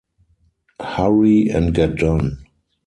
Hurry and get done!